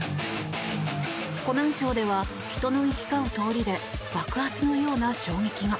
湖南省では人の行き交う通りで爆発のような衝撃が。